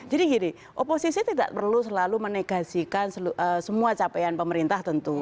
jadi gini oposisi tidak perlu selalu menegasikan semua capaian pemerintah tentu